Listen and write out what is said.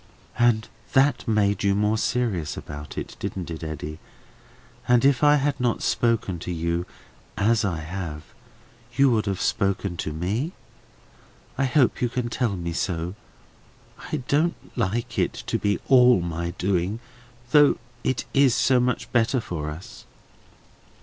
"And that made you more serious about it, didn't it, Eddy? And if I had not spoken to you, as I have, you would have spoken to me? I hope you can tell me so? I don't like it to be all my doing, though it is so much better for us."